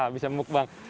bisa mbuk bang